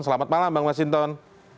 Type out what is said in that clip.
selamat malam bang masinton